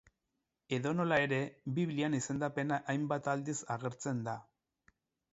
Edonola ere, Biblian izendapena hainbat aldiz agertzen da.